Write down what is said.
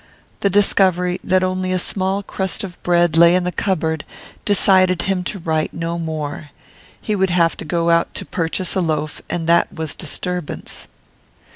The discovery that only a small crust of bread lay in the cupboard decided him to write no more; he would have to go out to purchase a loaf and that was disturbance.